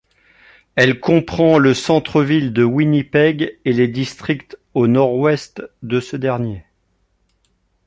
Elle comprend le centre-ville de Winnipeg et les districts au nord-ouest de ce dernier.